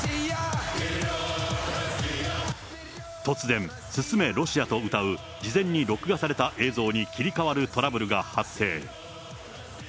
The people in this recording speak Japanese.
突然、進めロシア！と歌う、事前に録画された映像に切り替わるトラブルが発生。